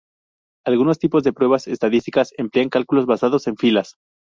Algunos tipos de pruebas estadísticas emplean cálculos basados en filas.